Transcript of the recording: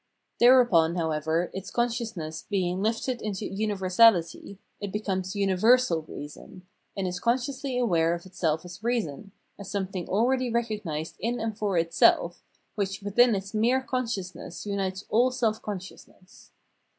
" Thereupon, however, its consciousness being hfted into universahty, it becomes universal reason, and is consciously aware of itself as reason, as something already recognised in and for itself, which within its mere consciousness unites all self consciousness.